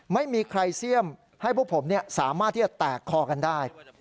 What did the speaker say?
ไม่มีใครเสี่ยมให้พวกผมสามารถที่จะแตกคอกันได้